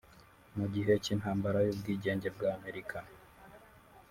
Mu gihe cy’intambara y’ubwigenge bwa Amerika